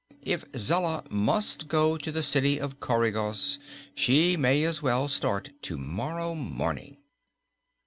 "If Zella must go to the City of Coregos, she may as well start to morrow morning."